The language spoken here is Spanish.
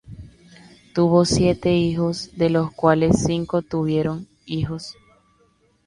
Tuvo siete hijos de los cuales cinco tuvieron hijos.